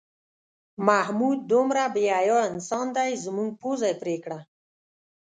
محمود دومره بې حیا انسان دی زموږ پوزه یې پرې کړه.